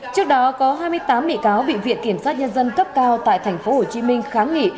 trước đó có hai mươi tám bị cáo bị viện kiểm sát nhân dân cấp cao tại tp hcm kháng nghị